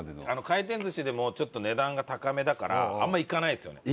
回転寿司でもちょっと値段が高めだからあんまりいかないんですよね。